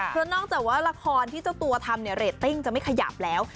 เพราะนอกจากว่าละครที่เจ้าตัวทำเนี่ยเรตติ้งจะไม่ขยับแล้ว